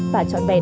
và trọn bẹt